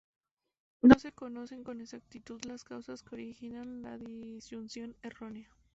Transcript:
No se conocen con exactitud las causas que originan la disyunción errónea.